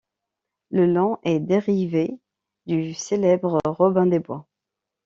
Le nom est dérivé du célèbre Robin des Bois.